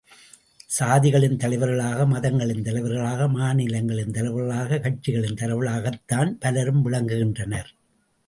சாதிகளின் தலைவர்களாக மதங்களின் தலைவர்களாக, மாநிலங்களின் தலைவர்களாக கட்சிகளின் தலைவர்களாகத்தான் பலரும் விளங்குகின்றனர்.